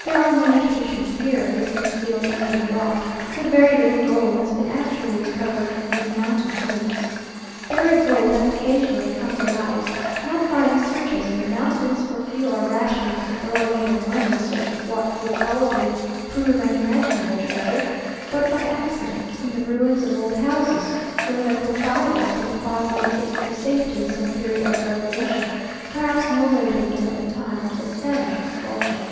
There are many traditions here of this concealed Indian wealth, but very little gold has been actually recovered from these mountain tombs. Buried gold has occasionally come to light; not by researches in the mountains, for few are rash enough to throw away their money in search of what would probably prove an imaginary treasure; but by accident in the ruins of old houses, where the proprietors had deposited it for safety in some period of revolution; perhaps no later than at the time of the Spanish expulsion.